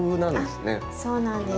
そうなんです